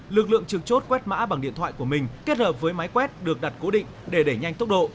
lực lượng trực chốt quét mã bằng điện thoại của mình kết hợp với máy quét được đặt cố định để đẩy nhanh tốc độ